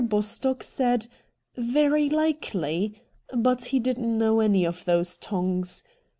Bostock said, ' Very likely,' but he didn't know any of those tongues.